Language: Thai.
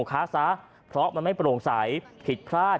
คร่าบรรยะแน่นกัน